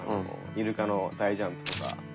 イルカの大ジャンプとか。